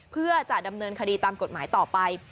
เพื่อจะดำเนินคดีตามกฎหมายต่อไป